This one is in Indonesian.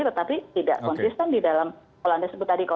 tetapi tidak konsisten di dalam kalau anda sebut tadi